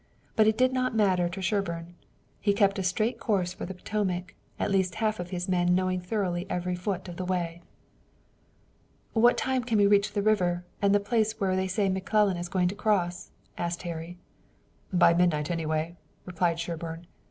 But it did not matter to Sherburne. He kept a straight course for the Potomac, at least half of his men knowing thoroughly every foot of the way. "What time can we reach the river and the place at which they say McClellan is going to cross?" asked Harry. "By midnight anyway," replied Sherburne.